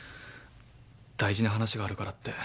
大事な話があるからって。